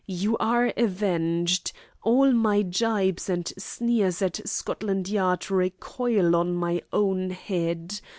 You are avenged! All my jibes and sneers at Scotland Yard recoil on my own head.